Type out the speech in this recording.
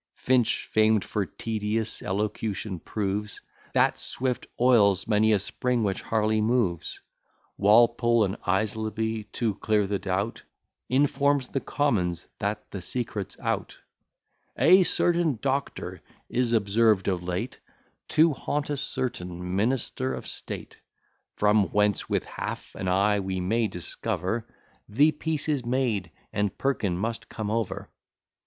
Finch, famed for tedious elocution, proves That Swift oils many a spring which Harley moves. Walpole and Aislaby, to clear the doubt, Inform the Commons, that the secret's out: "A certain doctor is observed of late To haunt a certain minister of state: From whence with half an eye we may discover The peace is made, and Perkin must come over."